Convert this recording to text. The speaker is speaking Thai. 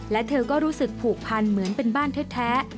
และเธอก็รู้สึกผูกพันเหมือนเป็นบ้านแท้